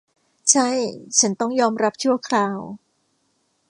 ใช่ฉันต้องยอมรับชั่วคราว